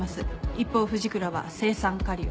一方藤倉は青酸カリを。